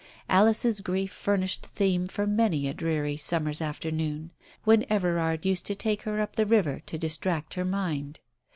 Alice's grief furnished the theme for many a dreary summer's after noon, when Everard used to take her up the river to distract her mind.